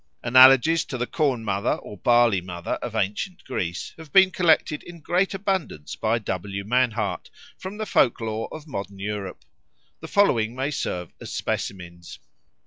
Analogies to the Corn mother or Barley mother of ancient Greece have been collected in great abundance by W. Mannhardt from the folk lore of modern Europe. The following may serve as specimens.